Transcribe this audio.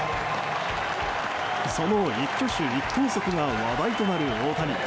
その一挙手一投足が話題となる大谷。